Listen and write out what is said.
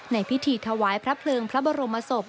ในพิธีถวายพระเพลิงพระบรมศพ